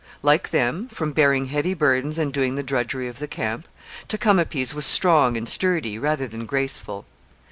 Like them, from bearing heavy burdens and doing the drudgery of the camp, Tecumapease was strong and sturdy rather than graceful.